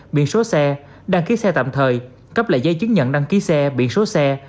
biển số xe đăng ký xe tạm thời cấp lại giấy chứng nhận đăng ký xe biển số xe